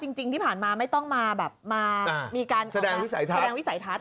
จริงที่ผ่านมาไม่ต้องมาแบบมามีการแสดงวิสัยทัศน